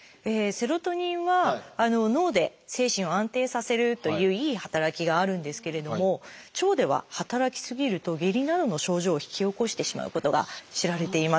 セロトニンは脳で精神を安定させるといういい働きがあるんですけれども腸では働き過ぎると下痢などの症状を引き起こしてしまうことが知られています。